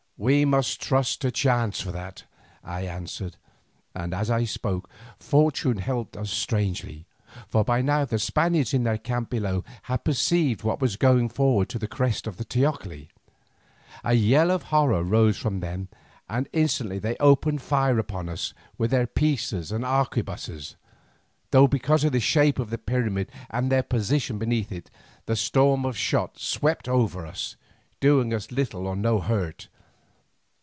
"We must trust to chance for that," I answered, and as I spoke, fortune helped us strangely, for by now the Spaniards in their camp below had perceived what was going forward on the crest of the teocalli. A yell of horror rose from them and instantly they opened fire upon us with their pieces and arquebusses, though, because of the shape of the pyramid and of their position beneath it, the storm of shot swept over us, doing us little or no hurt.